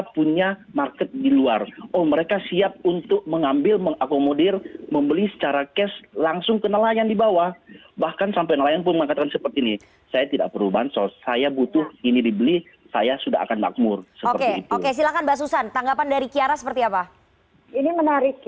paling mengeruk keuntungan paling besar